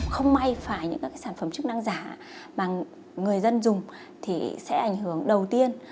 không may phải những sản phẩm chức năng giả mà người dân dùng sẽ ảnh hưởng đầu tiên